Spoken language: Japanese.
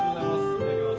いただきます！